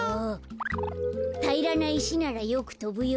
たいらないしならよくとぶよ。